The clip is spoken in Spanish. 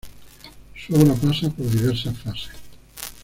Su obra pasa por diversas fases.